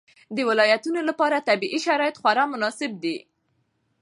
د ولایتونو لپاره طبیعي شرایط خورا مناسب دي.